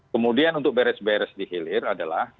kemudian untuk beres beres di hilir adalah